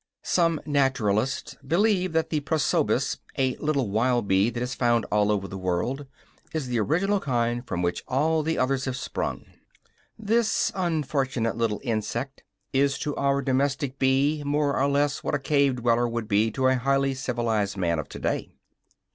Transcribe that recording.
Some naturalists believe that the "Prosopis," a little wild bee that is found all over the world, is the original kind from which all the others have sprung. This unfortunate little insect is to our domestic bee more or less what a cave dweller would be to a highly civilized man of to day.